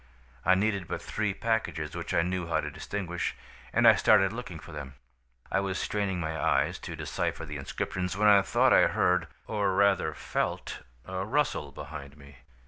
I needed but three packages, which I knew how to distinguish, and I started looking for them. "I was straining my eyes to decipher the inscriptions, when I thought I heard, or rather felt a rustle behind me.